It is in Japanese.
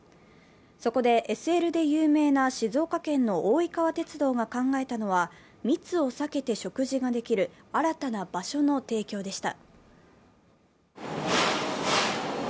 そこで、ＳＬで有名な静岡県の大井川鉄道が考えたのは密を避けて食事ができる新たな場所の提供でした。